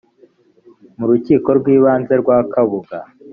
mu rukiko rw’ibanze rwa kabuga